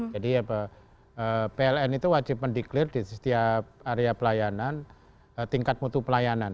jadi pln itu wajib mendeklir di setiap area pelayanan tingkat mutu pelayanan